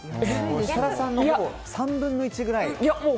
設楽さんの３分の１ぐらい。